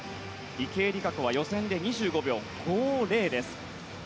池江璃花子は予選で２５秒５０です。